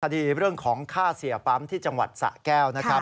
คดีเรื่องของฆ่าเสียปั๊มที่จังหวัดสะแก้วนะครับ